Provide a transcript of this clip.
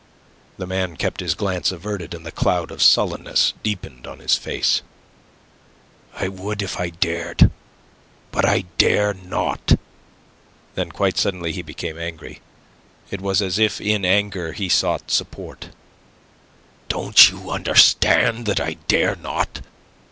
The man kept his glance averted, and the cloud of sullenness deepened on his face. "I would if I dared, but I dare not." Then, quite suddenly he became angry. It was as if in anger he sought support. "Don't you understand that I dare not?